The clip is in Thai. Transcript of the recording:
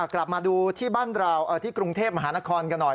กลับมาดูที่บ้านเราที่กรุงเทพมหานครกันหน่อย